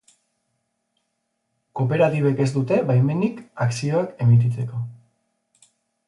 Kooperatibek ez dute baimenik akzioak emititzeko.